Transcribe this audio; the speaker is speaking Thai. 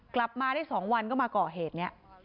กลับมาได้๒วันก็มาก่อเหตุนี้